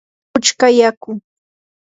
puchka yaku.